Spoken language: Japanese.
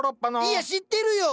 いや知ってるよ！